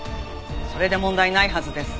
それで問題ないはずです。